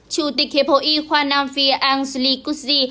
chủ tịch hiệp hội y khoa nam phi angli kuzi